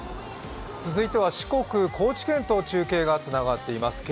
続いては四国・高知県と中継がつながっています。